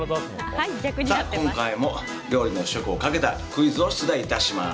今回も料理の試食をかけたクイズを出題いたします。